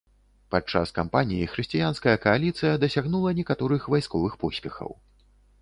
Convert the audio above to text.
Падчас кампаніі хрысціянская кааліцыя дасягнула некаторых вайсковых поспехаў.